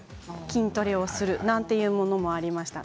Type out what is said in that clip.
筋トレをするなんていうものもありました。